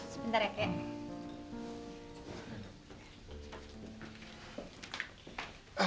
sebentar ya pak